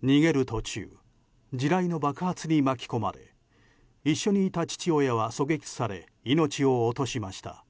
途中地雷の爆発に巻き込まれ一緒にいた父親は狙撃され命を落としました。